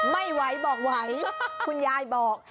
ไม่ไหวบอกไหวคุณยายบอก